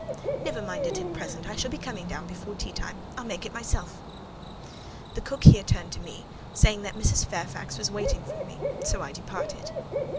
"Never mind it at present: I shall be coming down before teatime: I'll make it myself." The cook here turned to me, saying that Mrs. Fairfax was waiting for me: so I departed.